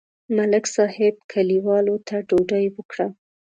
ملک صاحب کلیوالو ته ډوډۍ وکړه.